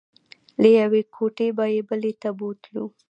له یوې کوټې به یې بلې ته بوتلو.